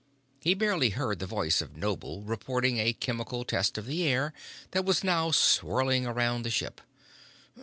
He barely heard the voice of Noble reporting a chemical test of the air that was now swirling around the ship.